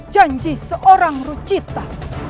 janji seorang rucita